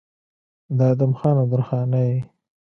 د ادم خان او درخانۍ